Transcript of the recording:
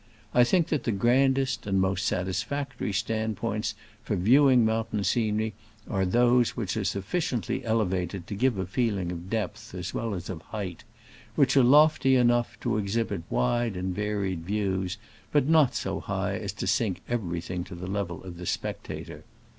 I think that the grandest and most satisfactory stand points for viewing mountain sce nery are those which are sufficiently ele vated to give a feeling of depth as well as of height — which are lofty enough to exhibit wide and varied views, but not so high as to sink everything to the level of the spectator.